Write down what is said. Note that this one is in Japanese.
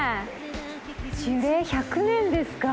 樹齢１００年ですか。